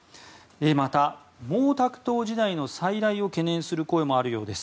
また、毛沢東時代の再来を懸念する声もあるようです。